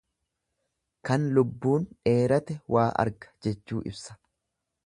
Kan lubbun dheerate waa arga jechuu ibsa.